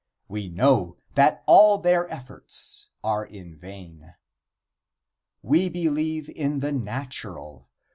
We know that all their efforts are in vain. We believe in the natural.